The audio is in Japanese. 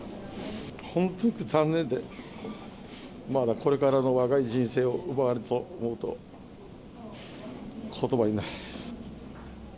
本当に残念で、まだこれからの若い人生を奪われたと思うと、ことばがないです。